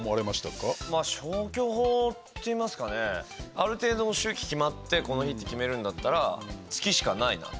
ある程度の周期決まってこの日って決めるんだったら月しかないなと。